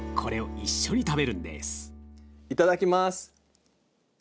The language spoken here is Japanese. いただきます。